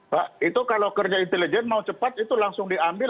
pak itu kalau kerja intelijen mau cepat itu langsung diambil